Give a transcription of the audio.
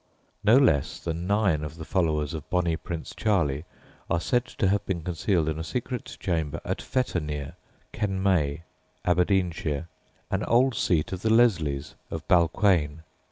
No less than nine of the followers of "Bonnie Prince Charlie" are said to have been concealed in a secret chamber at Fetternear, Kemnay, Aberdeenshire, an old seat of the Leslys of Balquhane.